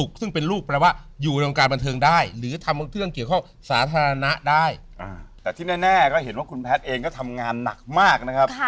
เห็นว่าคุณแพทย์เองก็ทำงานหนักมากนะครับ